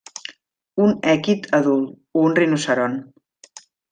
Un èquid adult, un rinoceront.